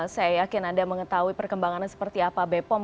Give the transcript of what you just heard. saya yakin anda mengetahui perkembangannya seperti apa bepom